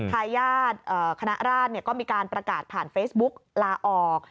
ทายาทคณะราชก็มีการประกาศผ่านเฟซบุ๊กลาออก